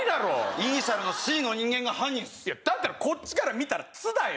イニシャルの「Ｃ」の人間が犯人っすだったらこっちから見たら「つ」だよ